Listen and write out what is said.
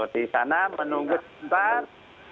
di sana menunggu sebentar